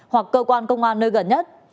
hoặc cơ quan công an nơi gần nhất